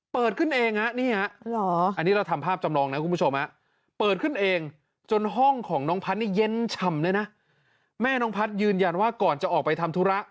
เปิดขึ้นเองนี่อันนี้เราทำภาพจำลองนะคุณผู้ชม